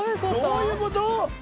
どういうこと？